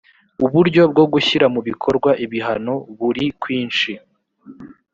uburyo bwo gushyira mu bikorwa ibihano buri kwinshi